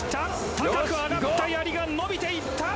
高く上がったやりが伸びていった！